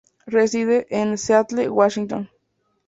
Reside en Seattle, Washington.